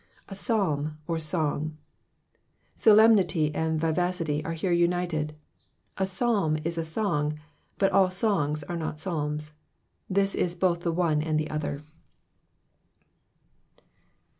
A Psalm or Song. Solemnity and vivacity are here united. A Fsalm is a song, but aU songs art 7U)t PsaSms : this is both one aTui the other.